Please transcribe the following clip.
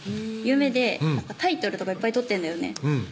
有名でタイトルとかいっぱい取ってんだよね